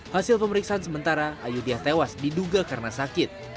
hasil pemeriksaan sementara ayudya tewas diduga karena sakit